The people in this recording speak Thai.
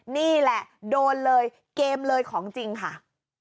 นี่แหละโดนเลยเกมเลยของจริงค่ะ